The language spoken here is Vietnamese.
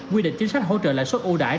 quy định chính sách hỗ trợ lại suốt ưu đại